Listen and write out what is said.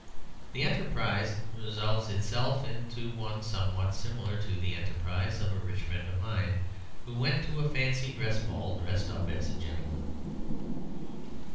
The enterprise resolves itself into one somewhat similar to the enterprise of a rich friend of mine who went to a fancy dress ball dressed up as a gentleman.